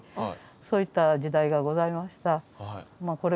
そういった時代がございました。